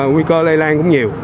nguy cơ lây lan cũng nhiều